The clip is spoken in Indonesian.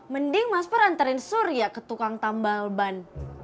mending mas far anterin surya ke tukang tambal ban